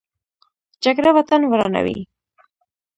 جګړه وطن ورانوي